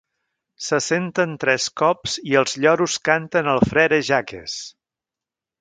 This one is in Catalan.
Se senten tres cops i els lloros canten el «Frère Jacques».